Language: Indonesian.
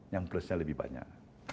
yang plusnya lebih banyak